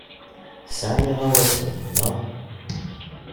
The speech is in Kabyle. Tesɛam iɣawasen, naɣ?